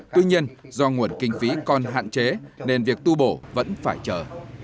tuy nhiên do nguồn kinh phí còn hạn chế nên việc tu bổ vẫn phải chờ